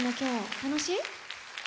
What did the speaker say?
楽しい？